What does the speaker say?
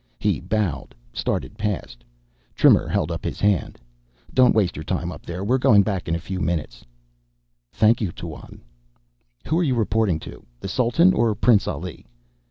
He bowed, started past. Trimmer held up his hand. "Don't waste your time up there; we're going back in a few minutes." "Thank you, Tuan." "Who are you reporting to? The Sultan or Prince Ali?"